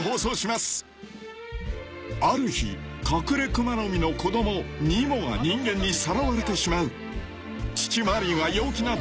［ある日カクレクマノミの子供ニモが人間にさらわれてしまう］